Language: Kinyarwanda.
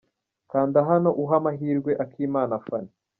Kanda hano uha amahirwe Akimana Fanny.